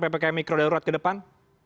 ppkm mikrodalurat ke depan